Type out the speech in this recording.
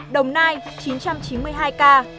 đồng nai chín trăm chín mươi hai ca